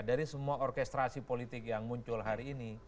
dari semua orkestrasi politik yang muncul hari ini